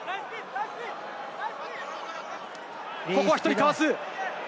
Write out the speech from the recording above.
ここは１人かわす。